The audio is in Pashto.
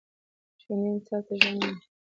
ژوندي انصاف ته ژمن دي